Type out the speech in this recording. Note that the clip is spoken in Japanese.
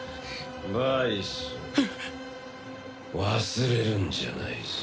忘れるんじゃないぞ。